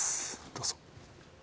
どうぞ。